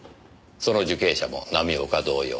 その受刑者も浪岡同様